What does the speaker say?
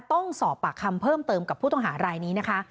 ต้องสอบปากคำเพิ่มเติมกับผู้ต้องหารายนี้นะคะ